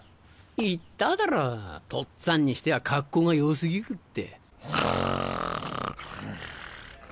言っただろう？とっつぁんにしては格好が良過ぎるって。